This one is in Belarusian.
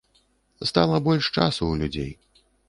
Стала больш часу ў людзей.